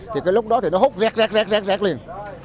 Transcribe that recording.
thì cái lúc đó thì nó hút vẹt vẹt vẹt vẹt liền